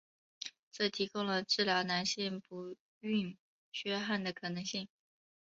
这提供了治疗男性不育缺憾的可能性。